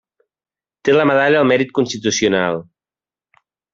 Té la Medalla al Mèrit Constitucional.